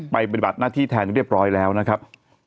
ปฏิบัติหน้าที่แทนเรียบร้อยแล้วนะครับ